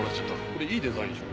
これいいデザインでしょ？